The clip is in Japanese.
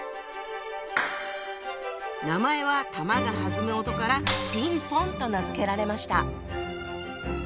名前は球が弾む音から「ピンポン」と名付けられました。